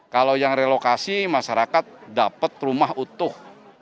kalau yang relokasi masyarakat dapat rumah utuh